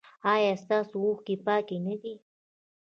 ایا ستاسو اوښکې پاکې نه دي؟